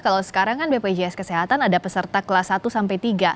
kalau sekarang kan bpjs kesehatan ada peserta kelas satu sampai tiga